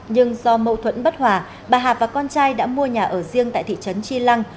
nhưng do mậu thuẫn bất hòa bà hạp và con trai đã mua nhà ở riêng tại thị trấn chi lăng